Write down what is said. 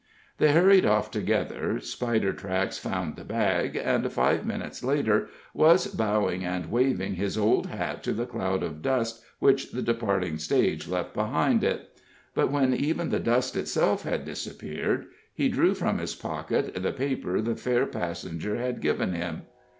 They hurried off together, Spidertracks found the bag, and five minutes later was bowing and waving his old hat to the cloud of dust which the departing stage left behind it. But when even the dust itself had disappeared, he drew from his pocket the paper the fair passenger had given him.